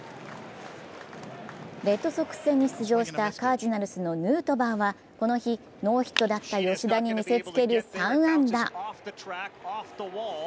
レッドソックス戦に出場したカージナルスのヌートバーはこの日、ノーヒットだった吉田に見せつける３安打。